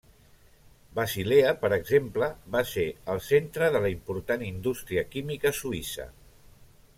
Basilea, per exemple, va ser el centre de la important indústria química suïssa.